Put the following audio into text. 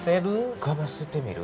うかばせてみる？